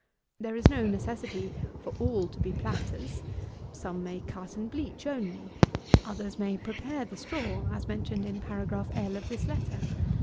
There is no necessity for all to be platters. Some may cut and bleach only. Others may prepare the straw, as mentioned in paragraph L. of this letter.